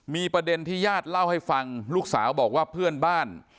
มีประเด็นที่ญาติเล่าให้ฟังลูกสาวบอกว่าเพื่อนบ้าน